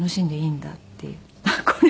あっこれ。